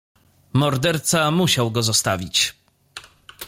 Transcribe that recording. "Morderca musiał go zostawić."